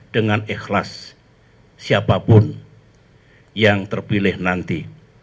dengan ikhlas siapapun yang terpilih nanti